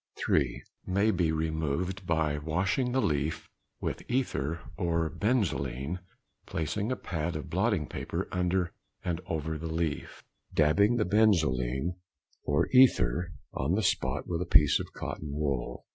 (3.) May be removed by washing the leaf with ether, or benzoline, placing a pad of blotting paper under and over the leaf, dabbing the benzoline or ether on the spot with a piece of cotton wool.